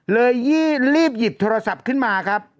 เลยรีบหยิบโทรศัพท์ขึ้นมาครับ